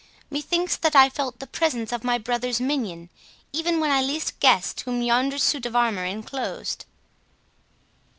Methinks that I felt the presence of my brother's minion, even when I least guessed whom yonder suit of armour enclosed."